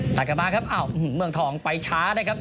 กลับมาครับอ้าวเมืองทองไปช้านะครับ